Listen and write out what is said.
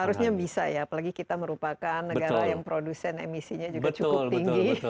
harusnya bisa ya apalagi kita merupakan negara yang produsen emisinya juga cukup tinggi